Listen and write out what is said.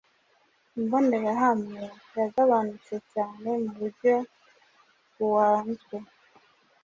Imbonerahamwe yagabanute cyane, muburyo buanzwe,